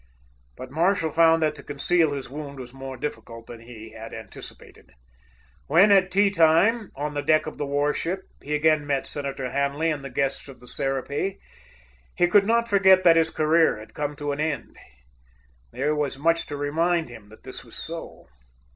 But Marshall found that to conceal his wound was more difficult than he had anticipated. When, at tea time, on the deck of the war ship, he again met Senator Hanley and the guests of the Serapis, he could not forget that his career had come to an end. There was much to remind him that this was so.